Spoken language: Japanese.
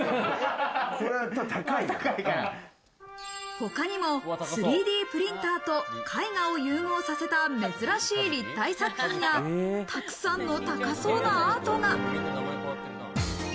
他にも３Ｄプリンターと絵画を融合させた珍しい立体作品やたくさんの高そうなアートが。